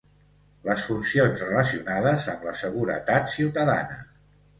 Les funcions relacionades amb la seguretat ciutadana.